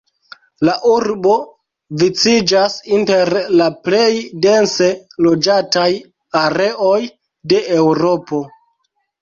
La urbo viciĝas inter la plej dense loĝataj areoj de Eŭropo.